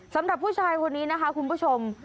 สำหรับผู้ชายคนนี้นะคะคุณผู้ชม